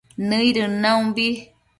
nëidën naumbi